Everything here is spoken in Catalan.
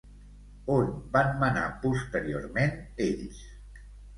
On van manar posteriorment ells?